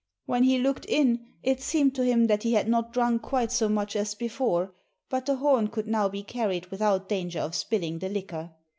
When he looked in it seemed to him that he had not drunk quite so much as before, but the horn could now be carried without danger of spilling the liquor.